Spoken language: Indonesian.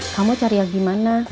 kamu cari yang gimana